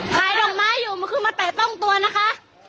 ขายดกไม้อยู่ไปชอบต่องตัวนะคะ